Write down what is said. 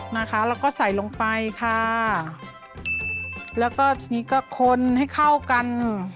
นะคะแล้วก็ใส่ลงไปค่ะแล้วก็ทีนี้ก็คนให้เข้ากัน